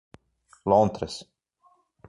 Lontras